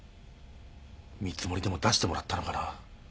見積もりでも出してもらったのかな。